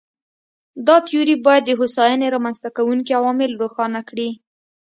دا تیوري باید د هوساینې رامنځته کوونکي عوامل روښانه کړي.